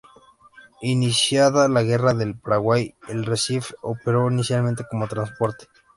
Iniciada la Guerra del Paraguay el "Recife" operó inicialmente como transporte.